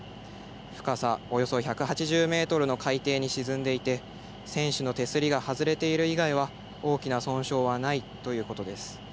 深さ、およそ１８０メートルの海底に沈んでいて船首の手すりが外れている以外は大きな損傷はないということです。